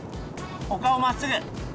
お顔まっすぐ！